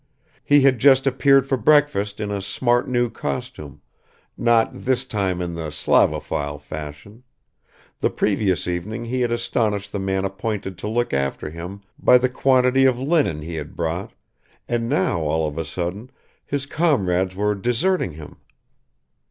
He had just appeared for. breakfast in a smart new costume, not this time in the Slavophil fashion; the previous evening he had astonished the man appointed to look after him by the quantity of linen he had brought, and now all of a sudden his comrades were deserting him!